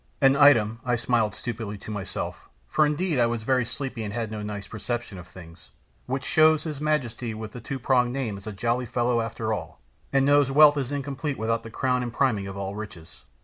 "An item," I smiled stupidly to myself, for indeed I was very sleepy and had no nice perception of things, "which shows his majesty with the two pronged name is a jolly fellow after all, and knows wealth is incomplete without the crown and priming of all riches.